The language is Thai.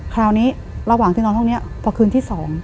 คราวนี้ระหว่างที่นอนห้องนี้พอคืนที่๒